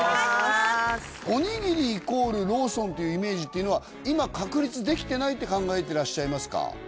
おにぎりイコールローソンっていうイメージっていうのは今確立できてないって考えてらっしゃいますか？